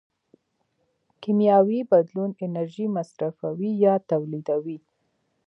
کیمیاوي بدلون انرژي مصرفوي یا تولیدوي.